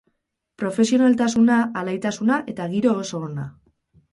Profesionaltasuna, alaitasuna eta giro oso ona.